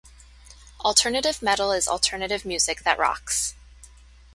Alternative metal is alternative music that rocks.